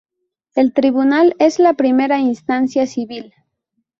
El tribunal es la primera instancia civil.